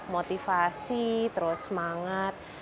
motivasi terus semangat